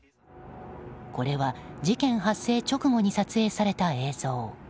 これは事件発生直後に撮影された映像。